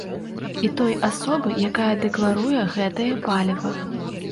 І той асобы, якая дэкларуе гэтае паліва.